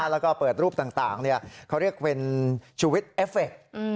แล้วก็เปิดรูปต่างเขาเรียกเป็นชูวิตเอฟเฟค